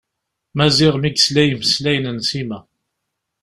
Maziɣ mi yesla i yimeslayen n Sima.